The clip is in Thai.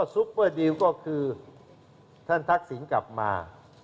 ซุปเปอร์ดิวก็คือท่านทักษิณกลับมา